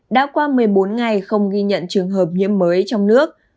đã qua một mươi bốn ngày không ghi nhận trường hợp nhiễm mới trong nước